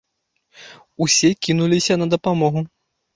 Усе кінуліся на дапамогу.